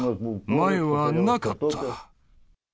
前はなかった。